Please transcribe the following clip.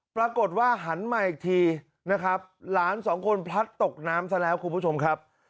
หันมาอีกทีนะครับหลานสองคนพลัดตกน้ำซะแล้วคุณผู้ชมครับ